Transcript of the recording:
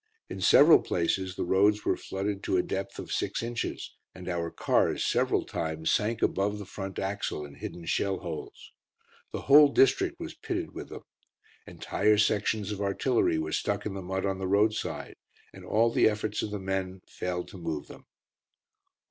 In several places the roads were flooded to a depth of six inches, and our cars several times sank above the front axle in hidden shell holes. The whole district was pitted with them. Entire sections of artillery were stuck in the mud on the roadside, and all the efforts of the men failed to move them.